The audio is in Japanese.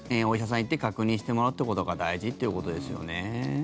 お医者さんに行って確認してもらうってことが大事ということですよね。